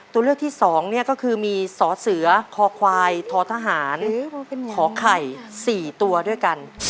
ตัวเลือกที่๒เนี่ยก็คือมีสอเสือคอควายทอทหารขอไข่๔ตัวด้วยกัน